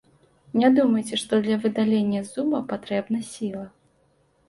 Не думайце, што для выдалення зуба патрэбна сіла.